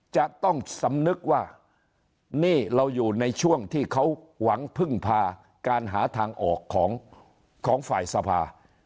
จะต้องสำนึกว่านี่เราอยู่ในช่วงที่เขาหวังพึ่งพาการหาทางออกของฝ่ายสภา